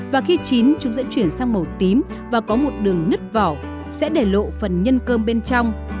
và khi chín chúng sẽ chuyển sang màu tím và có một đường nứt vỏ sẽ để lộ phần nhân cơm bên trong